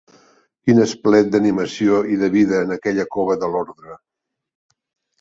Quin esplet d'animació i de vida en aquella cova de l'ordre